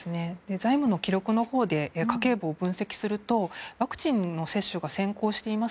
Ｚａｉｍの記録のほうで家計簿を分析するとワクチン接種が先行しています